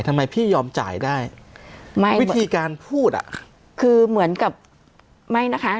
ทำไมพี่ยอมจ่ายได้ไม่วิธีการพูดอ่ะคือเหมือนกับไม่นะคะ